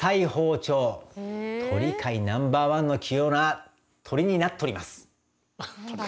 鳥界ナンバーワンの器用な鳥になっトリます！